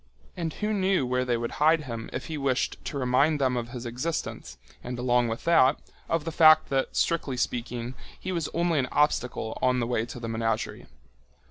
And who knew where they would hide him if he wished to remind them of his existence and, along with that, of the fact that, strictly speaking, he was only an obstacle on the way to the menagerie.